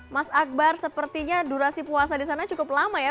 mas akbar sepertinya durasi puasa di sana cukup lama ya